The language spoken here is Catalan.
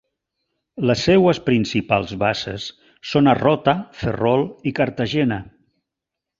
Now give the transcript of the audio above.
Les seues principals bases són a Rota, Ferrol i Cartagena.